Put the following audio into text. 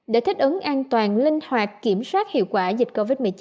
để thích ứng an toàn linh hoạt kiểm soát hiệu quả dịch covid một mươi chín